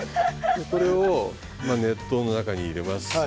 これを熱湯の中に入れます。